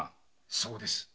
そうです。